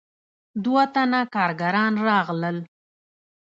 دوه تنه کارګران راغلل.